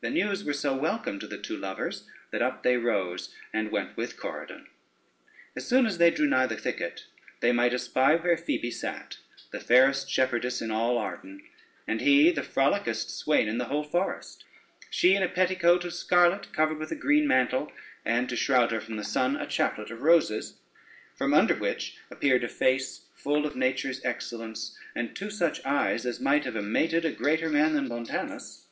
The news were so welcome to the two lovers, that up they rose, and went with Corydon. As soon as they drew nigh the thicket, they might espy where Phoebe sate, the fairest shepherdess in all Arden, and he the frolickest swain in the whole forest, she in a petticoat of scarlet, covered with a green mantle, and to shroud her from the sun, a chaplet of roses, from under which appeared a face full of nature's excellence, and two such eyes as might have amated a greater man than Montanus.